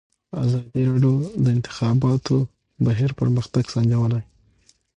ازادي راډیو د د انتخاباتو بهیر پرمختګ سنجولی.